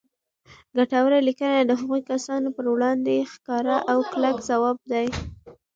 ګټوره لیکنه د هغو کسانو پر وړاندې ښکاره او کلک ځواب دی